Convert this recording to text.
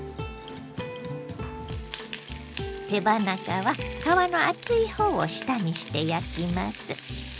手羽中は皮の厚いほうを下にして焼きます。